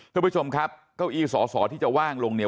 ผู้ชมครับก้ออีกสอที่จะว่างลงเนี่ย